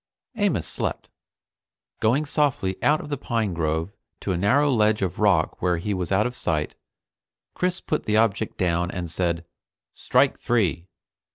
Amos slept. Going softly out of the pine grove to a narrow ledge of rock where he was out of sight, Chris put the object down and said: "Strike three."